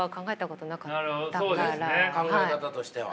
考え方としては。